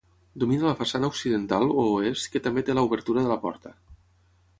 Domina la façana occidental, o oest, que també té l'obertura de la porta.